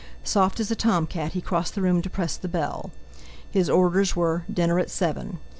Soft as a tom cat, he crossed the room to press the bell. His orders were "dinner at seven."